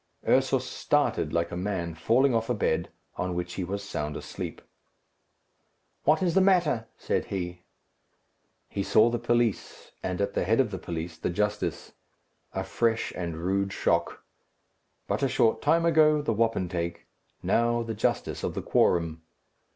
Ursus started like a man falling off a bed, on which he was sound asleep. "What is the matter?" said he. He saw the police, and at the head of the police the justice. A fresh and rude shock. But a short time ago, the wapentake, now the justice of the quorum.